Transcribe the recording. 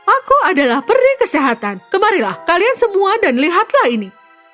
aku adalah peri kesehatan kemarilah kalian semua dan lihatlah ini